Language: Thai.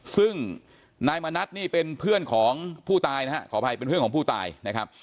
ซึ่งนายมณัฐนี่เป็นเพื่อนของผู้ตายนะฮะขออภัยเป็นเพื่อนของผู้ตายนะครับ